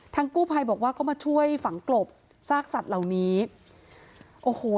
กู้ภัยบอกว่าก็มาช่วยฝังกลบซากสัตว์เหล่านี้โอ้โห